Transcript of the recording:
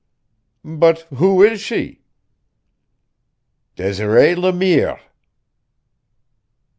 "But who is she?" "Desiree Le Mire."